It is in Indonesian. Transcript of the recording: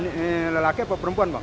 itu lelaki apa perempuan